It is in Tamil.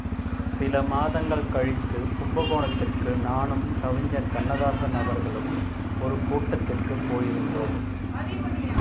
சிலமாதங்கள் கழித்து, கும்பகோணத்திற்கு நானும் கவிஞர் கண்ணதாசன் அவர்களும் ஒரு கூட்டத்திற்குப் போயிருந்தோம்.